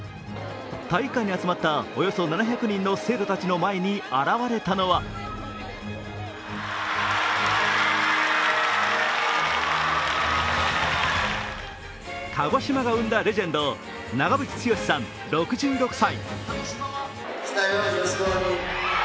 体育館に集まったおよそ７００人の生徒たちの前に現れたのは鹿児島が生んだレジェンド長渕剛さん６６歳。